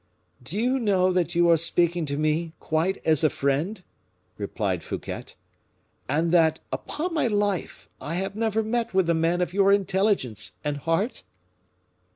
"Do you know that you are speaking to me quite as a friend?" replied Fouquet; "and that, upon my life! I have never met with a man of your intelligence, and heart?"